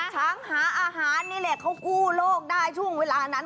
หาอาหารนี่แหละเขากู้โลกได้ช่วงเวลานั้น